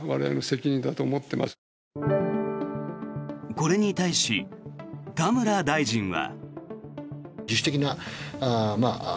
これに対し、田村大臣は。